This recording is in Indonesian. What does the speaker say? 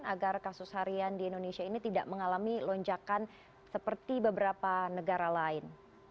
agar kasus harian di indonesia ini tidak mengalami lonjakan seperti beberapa negara lain